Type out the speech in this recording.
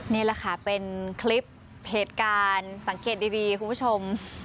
นี่แหละค่ะเป็นคลิปเหตุการณ์สังเกตดีคุณผู้ชม